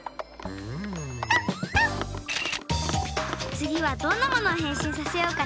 つぎはどんなものをへんしんさせようかな。